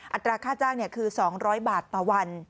อัตราค่าจ้างคือสองร้อยบาทประวัน